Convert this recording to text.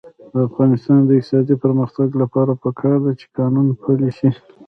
د افغانستان د اقتصادي پرمختګ لپاره پکار ده چې قانون پلی شي.